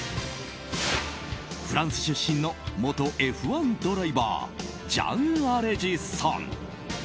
フランス出身の元Ｆ１ドライバージャン・アレジさん。